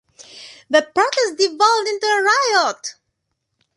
The protest devolved into a riot.